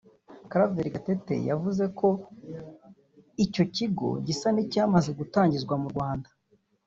Claver Gatete yavuze ko icyo kigo gisa n’icyamaze gutangizwa mu Rwanda